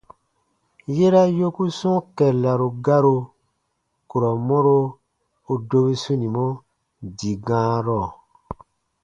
Yera yoku sɔ̃ɔ kɛllaru garu, kurɔ mɔro u dobi sunimɔ dii gãarɔ.